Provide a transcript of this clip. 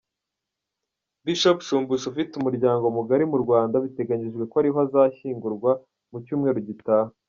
Bishop Shumbusho ufite umuryango mugari mu Rwanda biteganyijwe ko ariho azashyingurwa mu cyumweru gitaha.